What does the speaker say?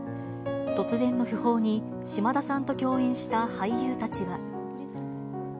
突然の訃報に、島田さんと共演した俳優たちは。